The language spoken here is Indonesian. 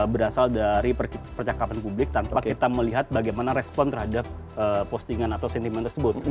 berasal dari percakapan publik tanpa kita melihat bagaimana respon terhadap postingan atau sentimen tersebut